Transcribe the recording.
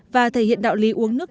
và thể hiện đạo lý uống nước